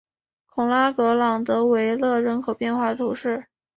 孔拉格朗德维勒人口变化图示